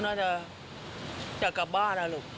เขาน่าจะจะกลับบ้านว่ะลูก